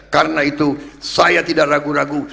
karena itu saya tidak ragu ragu